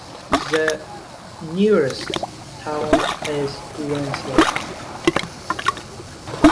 The nearest town is Winslow.